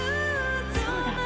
そうだ！